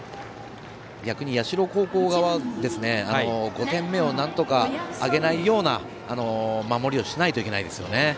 逆に社高校側は５点目をなんとかあげないような守りをしないといけないですね。